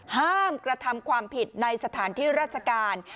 ห้ามกระทำความผิดในสถานที่ราชการ